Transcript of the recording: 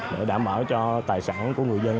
để đảm bảo cho tài sản của người dân